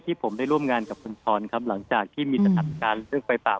ผมได้ร่วมงานกับคุณพรครับหลังจากที่มีสถานการณ์เรื่องไฟป่า